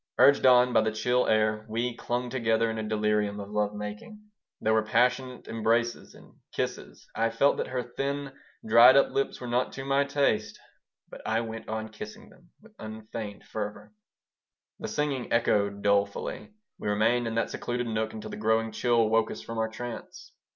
Urged on by the chill air, we clung together in a delirium of love making. There were passionate embraces and kisses. I felt that her thin, dried up lips were not to my taste, but I went on kissing them with unfeigned fervor. The singing echoed dolefully. We remained in that secluded nook until the growing chill woke us from our trance.